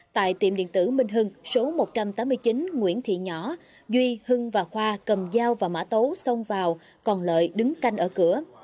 tại tiệm điện tử minh hưng số một trăm tám mươi chín nguyễn thị nhỏ duy hưng và khoa cầm dao và mã tấu xông vào còn lợi đứng canh ở cửa